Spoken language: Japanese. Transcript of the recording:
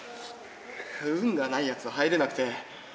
運がないやつは入れなくて。